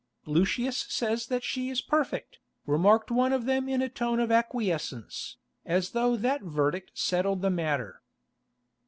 "Lucius says that she is perfect," remarked one of them in a tone of acquiescence, as though that verdict settled the matter.